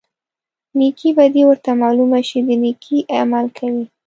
نیکې بدي ورته معلومه شي د نیکۍ عمل کوي.